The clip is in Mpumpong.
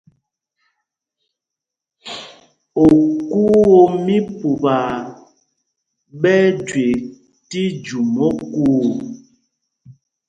Okuu o mí Pupaa ɓɛ́ ɛ́ jüe tí jûm okuu.